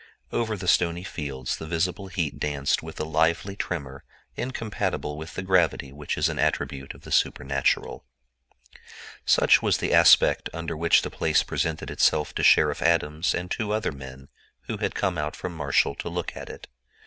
Over the stony fields the visible heat danced with a lively tremor incompatible with the gravity which is an attribute of the supernatural. Such was the aspect under which the place presented itself to Sheriff Adams and two other men who had come out from Marshall to look at it.